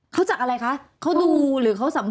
เขาจากอะไรคะเขาดูหรือเขาสัมภา